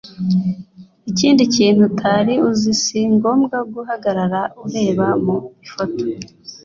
Ikindi kintu utari uzi si ngombwa guhagarara ureba mu ifoto